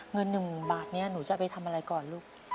เงิน๑๐๐๐บาทนี้หนูจะเอาไปทำอะไรก่อนลูก